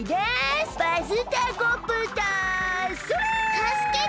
たすけて！